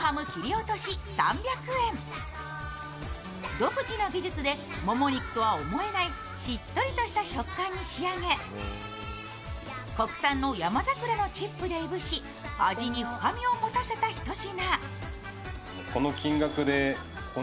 独自の技術でもも肉とは思えないしっとりとした食感に仕上げ、国産の山桜のチップでいぶし味に深みを持たせた一品。